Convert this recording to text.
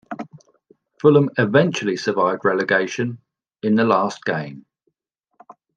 Fulham eventually survived relegation, in the last game.